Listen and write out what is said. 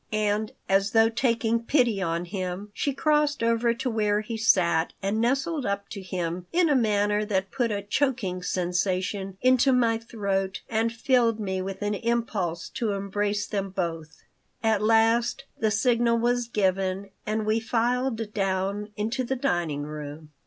And, as though taking pity on him, she crossed over to where he sat and nestled up to him in a manner that put a choking sensation into my throat and filled me with an impulse to embrace them both At last the signal was given and we filed down into the dining room.